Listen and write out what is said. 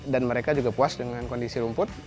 dan mereka juga puas dengan kondisi rumput